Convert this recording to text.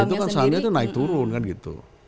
nah itu kan sahamnya itu naik turun kan gitu